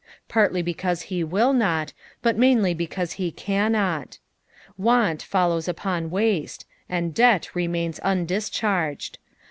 Partly because be will not, but mainly because he cannot. Want follons upon waste, and debt remains undischarged.